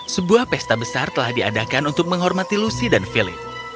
sebuah pesta besar telah diadakan untuk menghormati lucy dan philip